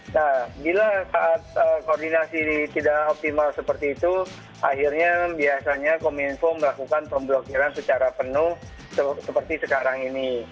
nah bila saat koordinasi tidak optimal seperti itu akhirnya biasanya kominfo melakukan pemblokiran secara penuh seperti sekarang ini